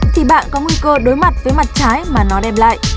thì bạn có nguy cơ đối mặt với mặt trái mà nó đem lại